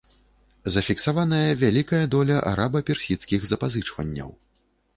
Зафіксаваная вялікая доля араба-персідскіх запазычванняў.